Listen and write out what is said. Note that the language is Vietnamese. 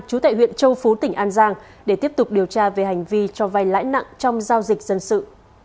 chú tại huyện châu phú tỉnh an giang để tiếp tục điều tra về hành vi cho vay lãi nặng trong giao dịch dân sự